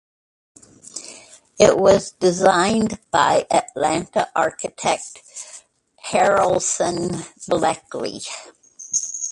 It was designed by Atlanta architect Haralson Bleckley.